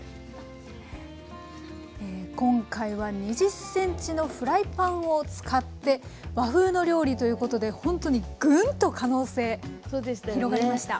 今回は２０ｃｍのフライパンを使って和風の料理ということでほんとにぐんと可能性広がりました。